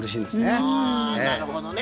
あなるほどね。